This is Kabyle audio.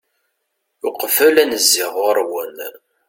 uqbel ad n-zziɣ ɣur-wen